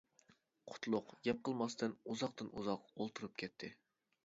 قۇتلۇق گەپ قىلماستىن ئۇزاقتىن ئۇزاق ئولتۇرۇپ كەتتى.